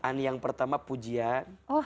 ani yang pertama pujian